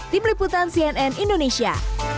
di peliputan cnn indonesia